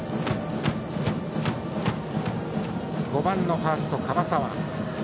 ５番のファースト椛澤。